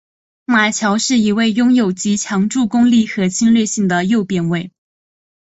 马乔是一位拥有极强助攻力和侵略性的右边卫。